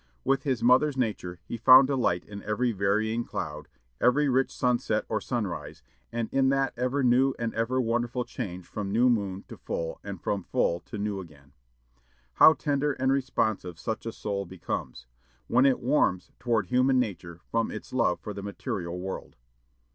With his mother's nature, he found delight in every varying cloud, every rich sunset or sunrise, and in that ever new and ever wonderful change from new moon to full and from full to new again. How tender and responsive such a soul becomes! How it warms toward human nature from its love for the material world!